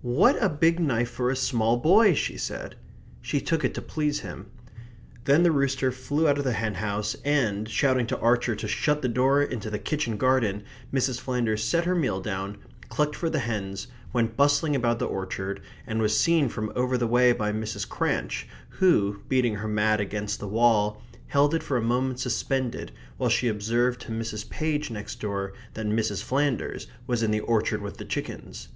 "What a big knife for a small boy!" she said. She took it to please him. Then the rooster flew out of the hen house, and, shouting to Archer to shut the door into the kitchen garden, Mrs. Flanders set her meal down, clucked for the hens, went bustling about the orchard, and was seen from over the way by Mrs. Cranch, who, beating her mat against the wall, held it for a moment suspended while she observed to Mrs. Page next door that Mrs. Flanders was in the orchard with the chickens.